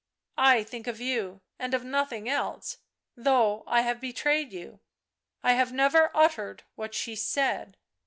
I think of you and of nothing else, though I have betrayed you, I have never uttered what she said.